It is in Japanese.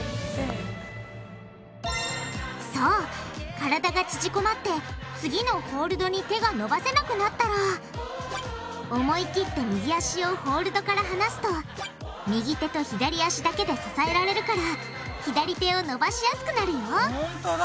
体が縮こまって次のホールドに手が伸ばせなくなったら思いきって右足をホールドから離すと右手と左足だけで支えられるから左手を伸ばしやすくなるよほんとだ！